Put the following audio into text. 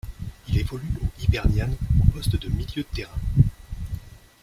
Il évolue au Hibernian au poste de milieu de terrain.